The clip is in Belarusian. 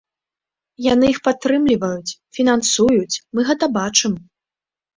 Яны іх падтрымліваюць, фінансуюць, мы гэта бачым.